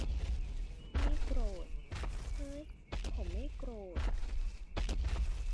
นี่โกรธ - เฮ้ย ผมไม่โกรธ !